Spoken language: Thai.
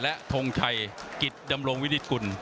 และทงชัยกิจดำรงวินิตกุล